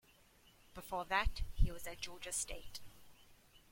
Before that, he was at Georgia State.